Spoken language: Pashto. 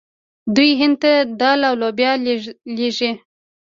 دوی هند ته دال او لوبیا لیږي.